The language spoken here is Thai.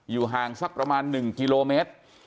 ห่างสักประมาณ๑กิโลเมตร